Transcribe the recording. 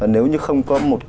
nếu như không có một